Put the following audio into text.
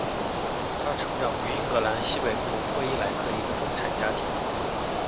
她成长于英格兰西北部霍伊莱克一个中产家庭。